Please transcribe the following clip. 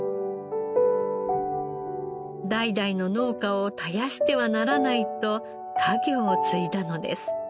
代々の農家を絶やしてはならないと家業を継いだのです。